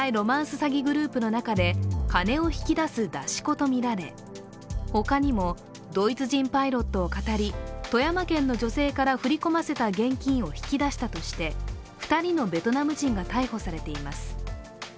詐欺グループの中で金を引き出す出し子とみられ、他にもドイツ人パイロットをかたり富山県の女性から振り込ませた現金を引き出したとして２人のベトナム人が逮捕されています。